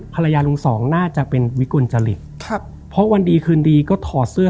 ลุงสองน่าจะเป็นวิกลจริตครับเพราะวันดีคืนดีก็ถอดเสื้อ